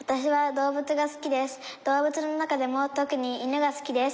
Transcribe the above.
動物の中でもとくに犬が好きです。